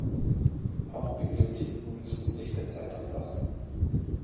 Auch Bibliotheken müssen sich der Zeit anpassen.